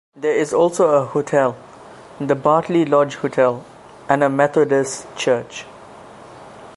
There is also a hotel, The Bartley Lodge Hotel, and a Methodist church.